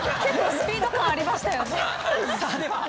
結構スピード感ありましたよね。